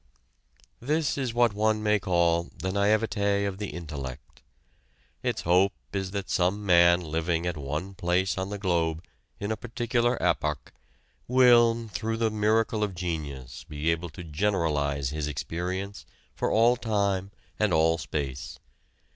This is what one may call the naïveté of the intellect. Its hope is that some man living at one place on the globe in a particular epoch will, through the miracle of genius, be able to generalize his experience for all time and all space.